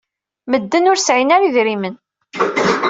Medden ur sɛin ara idrimen.